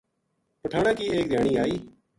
پٹھاناں کی ایک دھیانی ائی